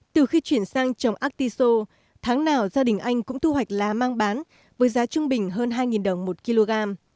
từ khi chuyển sang trồng artiso tháng nào gia đình anh cũng thu hoạch lá mang bán với giá trung bình hơn hai đồng một kg